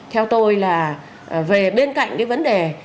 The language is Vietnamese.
theo tôi là về bên cạnh cái vấn đề